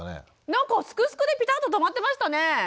なんか「すくすく」でピタッと止まってましたね。